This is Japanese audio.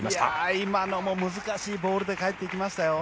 今のも難しいボールで返っていきましたよ。